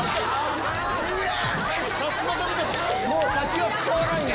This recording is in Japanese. もう先は使わないんだ。